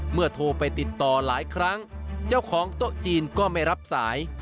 โทรไปติดต่อหลายครั้งเจ้าของโต๊ะจีนก็ไม่รับสาย